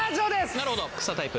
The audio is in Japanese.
なるほどくさタイプ。